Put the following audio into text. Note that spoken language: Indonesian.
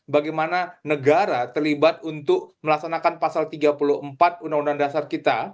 bagaimana negara terlibat untuk melaksanakan pasal tiga puluh empat undang undang dasar kita